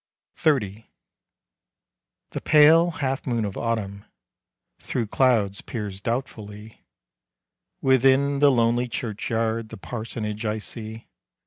XXX. The pale half moon of autumn Through clouds peers doubtfully. Within the lonely churchyard The parsonage I see.